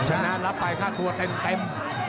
ชนะรับไปค่าตัวเต็ม